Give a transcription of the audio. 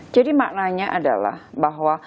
jadi maknanya adalah bahwa